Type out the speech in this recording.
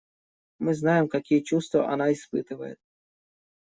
Мы знаем, какие чувства она испытывает.